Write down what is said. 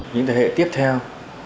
những thế hệ tiếp theo